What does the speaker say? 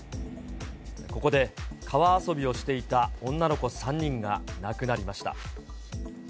ここで川遊びをしていた女の子３人が亡くなりました。